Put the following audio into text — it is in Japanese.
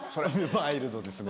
ワイルドですね。